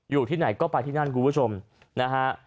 อยู่ที่ไหนก็ไปที่นั่นคุณผู้ชมนะฮะ